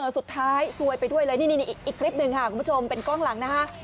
สุดท้ายซวยไปด้วยเลยนี่อีกคลิปหนึ่งค่ะคุณผู้ชมเป็นกล้องหลังนะคะ